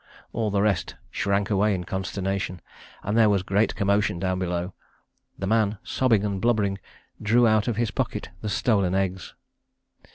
All the rest shrank away in consternation, and there was great commotion down below. The man, sobbing and blubbering, drew out of his pocket the stolen eggs.